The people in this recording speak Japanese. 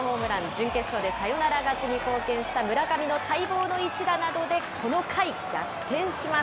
準決勝でサヨナラ勝ちに貢献した村上の待望の一打などでこの回、逆転します。